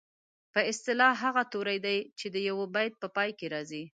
په اصطلاح هغه توري دي چې د یوه بیت په پای کې راځي.